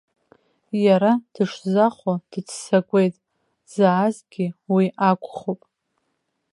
Иара дышзахәо дыццакуеит, дзаазгьы уи акәхуп.